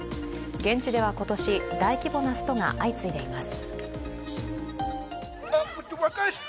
現地では今年、大規模なストが相次いでいます。